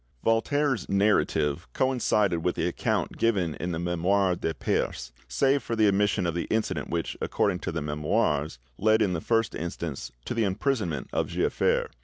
Voltaire's narrative coincided with the account given in the 'Memoires de Peyse', save for the omission of the incident which, according to the 'Memoires', led in the first instance to the imprisonment of Giafer.